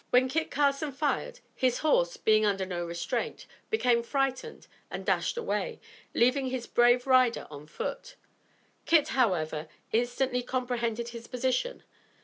] When Kit Carson fired, his horse, being under no restraint, became frightened and dashed away, leaving his brave rider on foot. Kit however instantly comprehended his position.